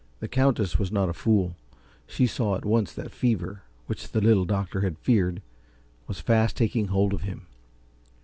The Countess was not a fool she saw at once that fever, which the Little Doctor had feared, was fast taking hold of him.